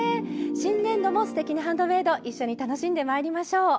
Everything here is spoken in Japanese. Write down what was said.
新年度も「すてきにハンドメイド」一緒に楽しんでまいりましょう。